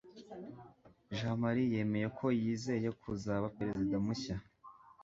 jamali yemeye ko yizeye kuzaba perezida mushya